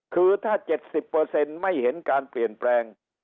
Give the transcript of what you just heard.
คือถ้า๗๐ไม่เห็นการเปลี่ยนแปลง